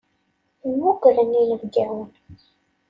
Mmugren inebgawen.